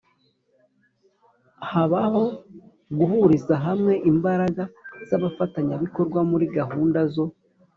habaho guhuriza hamwe imbaraga z abafatanyabikorwa muri gahunda zo